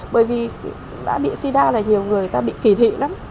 bởi vì đã bị sida là nhiều người ta bị kỳ thị lắm